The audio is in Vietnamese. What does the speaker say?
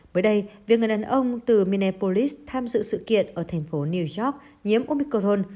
mới đây việc người đàn ông từ minneapolis tham dự sự kiện ở thành phố new york nhiễm omicron